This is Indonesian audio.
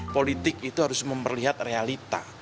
politik itu harus memperlihat realita